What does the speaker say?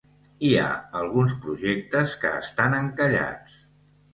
Hi ha alguns projectes que estan encallats.